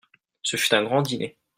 Ce fut un grand dîner.